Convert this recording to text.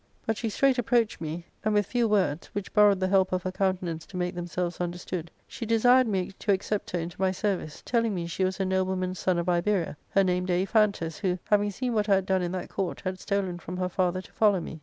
But she straight approached me, and with few words, which borrowed the help of her countenance to make themselves understood, she desired me to accept her into my service, telling me she was a nobleman's son of Iberia, her name Daiphantus, who, having seen what I had done in that court, had stolen from her father to follow me.